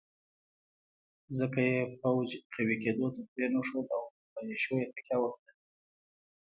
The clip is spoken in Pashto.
ځکه یې پوځ قوي کېدو ته پرېنښود او پر ملېشو یې تکیه وکړه.